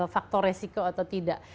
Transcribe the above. faktor resiko atau tidak